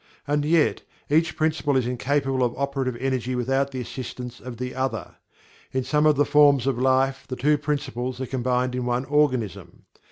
And yet, each principle is incapable of operative energy without the assistance of the other. In some of the forms of life, the two principles are combined in one organism.